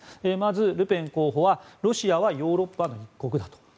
まず、ルペン候補はロシアはヨーロッパの一国だと。